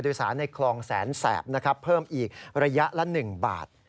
โดยสารในคลองแสนแสบนะครับเพิ่มอีกระยะละ๑บาท